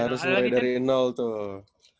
harus mulai dari nol tuh